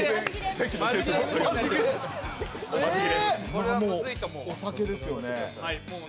これはもうお酒ですよね。